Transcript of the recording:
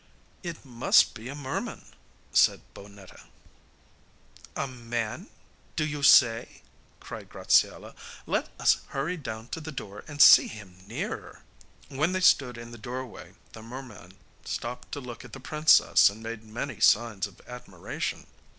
'It must be a merman,' said Bonnetta. 'A man, do you say?' cried Graziella; 'let us hurry down to the door and see him nearer.' When they stood in the doorway the merman stopped to look at the princess and made many signs of admiration.